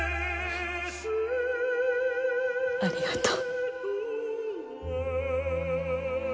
ありがとう。